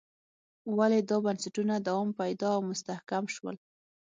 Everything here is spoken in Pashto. ولې دا بنسټونه دوام پیدا او مستحکم شول.